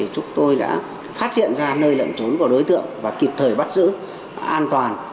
chúng tôi đã phát triển ra nơi lận trốn của đối tượng và kịp thời bắt giữ an toàn